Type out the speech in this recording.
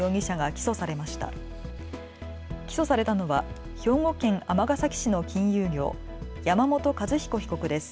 起訴されたのは兵庫県尼崎市の金融業、山本和彦被告です。